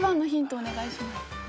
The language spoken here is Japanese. お願いします。